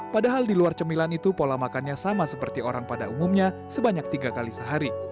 padahal di luar cemilan itu pola makannya sama seperti orang pada umumnya sebanyak tiga kali sehari